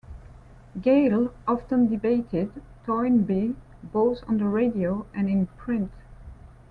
Geyl often debated Toynbee both on the radio and in print.